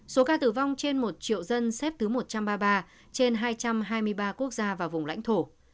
số ca tử vong trên một triệu dân xếp thứ một trăm ba mươi ba trên hai trăm hai mươi ba quốc gia và vùng lãnh thổ